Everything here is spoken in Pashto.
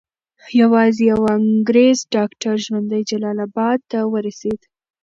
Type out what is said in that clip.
یوازې یو انګریز ډاکټر ژوندی جلال اباد ته ورسېد.